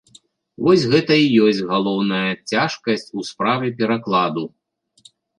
Вось гэта і ёсць галоўная цяжкасць у справе перакладу.